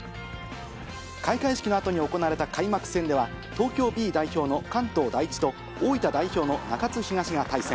開会式のあとに行われた開幕戦では、東京Ｂ代表の関東第一と、大分代表の中津東が対戦。